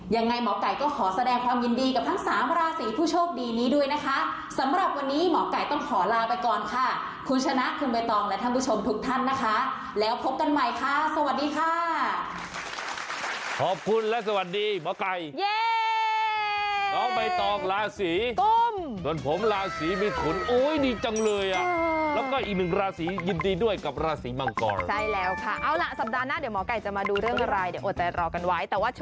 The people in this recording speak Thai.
ยังไงหมอไก่ก็ขอแสดงความยินดีกับทั้งสามราศีผู้โชคดีนี้ด้วยนะคะสำหรับวันนี้หมอไก่ต้องขอลาไปก่อนค่ะคุณชนะคุณใบตองและท่านผู้ชมทุกท่านนะคะแล้วพบกันใหม่ค่ะสวัสดีค่ะ